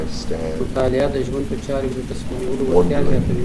مطالعه د ژوند په چارو کې د تصمیم نیولو وړتیا زیاتوي.